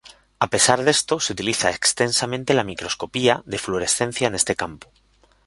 A pesar de esto, se utiliza extensamente la microscopía de fluorescencia en este campo.